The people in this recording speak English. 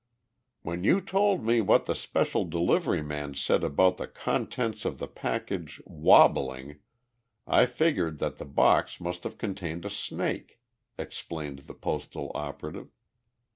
"When you told me what the special delivery man said about the contents of the package 'wabbling' I figured that the box must have contained a snake," explained the Postal operative.